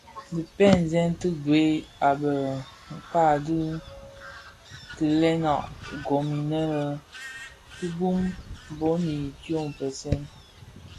Dhipèseèn ti gwed i be ya mpkag di kilenga gom imë bituu bum dyoň npèsèn.